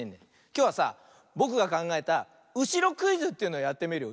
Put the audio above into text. きょうはさぼくがかんがえた「うしろクイズ」というのやってみるよ。